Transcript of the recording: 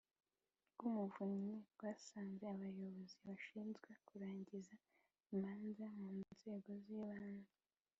Rw umuvunyi rwasanze abayobozi bashinzwe kurangiza imanza mu nzego z ibanze